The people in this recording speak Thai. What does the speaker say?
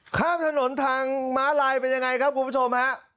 ข้ามถนนทางม้าลายเป็นยังไงครับคุณผู้ชมฮะ